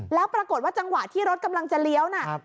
แล้วปรากฏว่าจังหวะที่รถกำลังจะเลี้ยวน่ะ